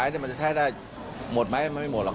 อย่างนี้ลดไป๒แถวลดถูก